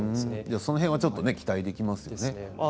その辺はちょっと期待できますよね。